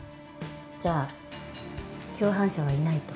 じゃあ共犯者はいないと？